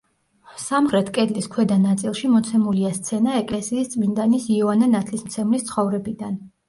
სამხრეთ კედლის ქვედა ნაწილში მოცემულია სცენა ეკლესიის წმინდანის იოანე ნათლისმცემლის ცხოვრებიდან.